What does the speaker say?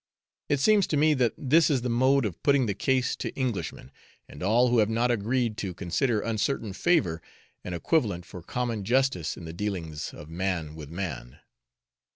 It seems to me that this is the mode of putting the case to Englishmen, and all who have not agreed to consider uncertain favour an equivalent for common justice in the dealings of man with man.